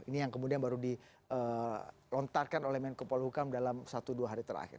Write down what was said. ini yang kemudian baru dilontarkan oleh menko polhukam dalam satu dua hari terakhir